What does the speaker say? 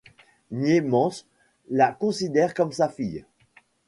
Niemans la considère comme sa fille.